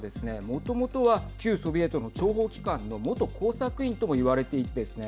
もともとは旧ソビエトの諜報機関の元工作員ともいわれていてですね